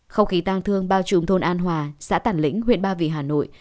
khâu khí tăng thương bao trùm thôn an hòa xã tản lĩnh huyện ba vị hà nội